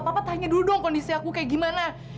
papa tanya dulu dong kondisi aku kayak gimana